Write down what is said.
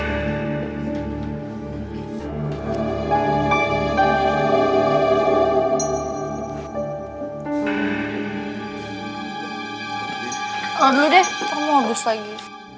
aduh deh kok mau abis lagi